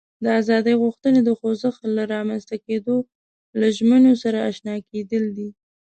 د ازادي غوښتنې د خوځښت له رامنځته کېدو له ژمینو سره آشنا کېدل دي.